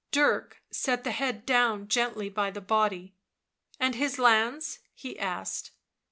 Dirk set the head down gently by the body. " And his lands ?" he asked.